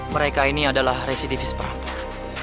mereka ini adalah residivis perampah